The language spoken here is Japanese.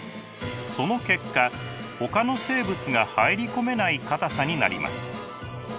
その結果ほかの生物が入り込めないかたさになります。